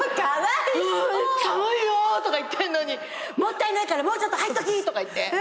寒いよとか言ってんのにもったいないからもうちょっと入っときとか言って。